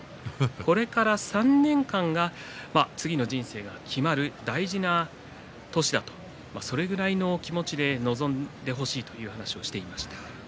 これから３年間が次の人生が決まる大事な年だとそれぐらいの気持ちで臨んでほしいという話をしていました。